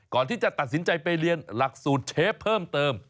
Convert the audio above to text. ก่อนที่จะตัดสินใจไปเรียนหลักสูตรเชฟเพิ่มเติม